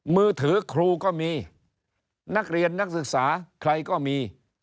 มือถือครูก็มีนักเรียนนักศึกษาใครก็มี